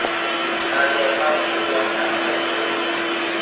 ความเร็วก็ยิ่งมีโอกาสเพิ่มขึ้น